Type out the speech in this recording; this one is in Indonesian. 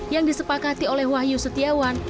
yang disepakati oleh wahyu setiawan